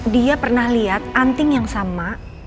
dia pernah lihat anting yang sama